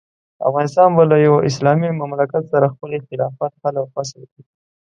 افغانستان به له یوه اسلامي مملکت سره خپل اختلافات حل او فصل کړي.